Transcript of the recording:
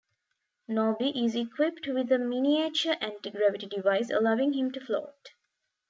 Norby is equipped with a miniature anti-gravity device allowing him to float.